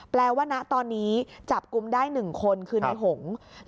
แปลว่าตอนนี้จับกุมได้๑คนคือลายหงย์